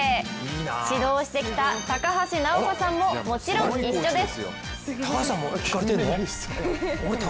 指導してきた高橋尚子さんももちろん一緒です。